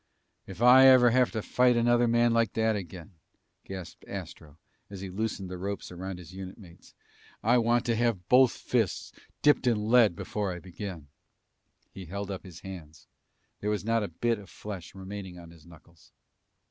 "If I ever have to fight another man like that again," gasped Astro as he loosened the ropes around his unit mates, "I want to have both fists dipped in lead before I begin!" He held up his hands. There was not a bit of flesh remaining on his knuckles.